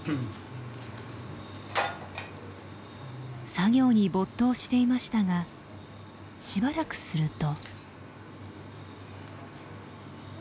作業に没頭していましたがしばらくすると。